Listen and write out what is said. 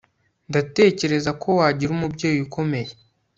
Ndatekereza ko wagira umubyeyi ukomeye